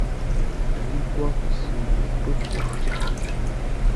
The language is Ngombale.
Ə́ nkwô mpfu yʉʼ pə́ fwótə́.